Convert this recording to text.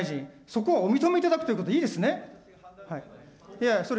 そこをお認めいただくということでいいですね。